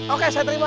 oke saya terima